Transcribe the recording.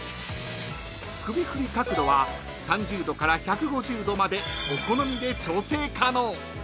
［首振り角度は３０度から１５０度までお好みで調整可能］